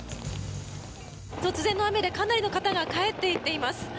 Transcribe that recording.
突然の雨でかなりの方が帰っていっています。